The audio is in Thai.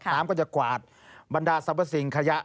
ตามก็จะกวาดบรรดาทรัพย์สิ่งขยะ